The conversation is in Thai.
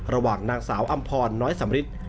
ระหว่างนางสาวอำพรน้อยสำริท